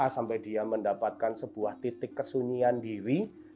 sampai dia mendapatkan sebuah titik kesunyian diri